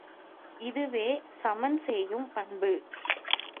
இதுவே சமன் செய்யும் பண்பு.